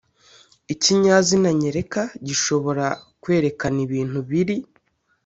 ikinyazina nyereka gishobora kwerekana ibintu biri